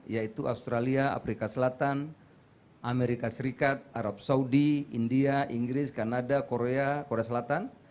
yaitu australia afrika selatan amerika serikat arab saudi india inggris kanada korea korea selatan